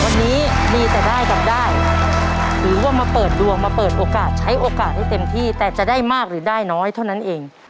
วันนี้มีแต่ได้กับได้หรือว่ามาเปิดดวงมาเปิดโอกาสใช้โอกาสให้เต็มที่แต่จะได้มากหรือได้น้อยเท่านั้นเอง